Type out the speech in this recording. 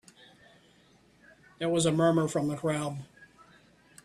There was a murmur from the crowd.